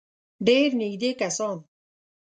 ډېر نېږدې کسان.